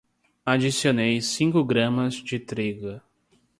adicione cinco gramas de trigo.